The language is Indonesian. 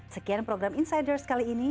sekian program insiders kali ini